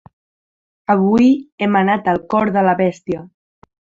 Avui hem anat al cor de la bèstia!